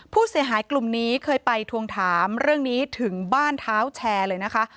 ผู้เสียหายกลุ่มนี้เคยไปทวงถามเรื่องนี้ถึงบ้านเท้าแชร์เลยนะคะ